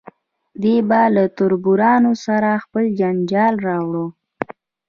دی به له تربورانو سره په جنجال واړوي.